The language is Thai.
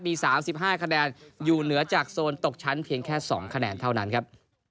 มี๓๕คะแนนอยู่เหนือจากโซนตกชั้นเพียงแค่๒คะแนนเท่านั้นครับ